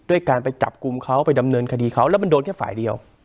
การไปจับกลุ่มเขาไปดำเนินคดีเขาแล้วมันโดนแค่ฝ่ายเดียว